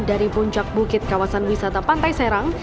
dari puncak bukit kawasan wisata pantai serang